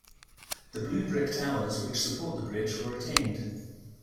The blue brick towers, which support the bridge, were retained.